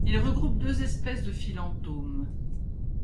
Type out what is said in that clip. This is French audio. Il regroupe deux espèces de philentomes.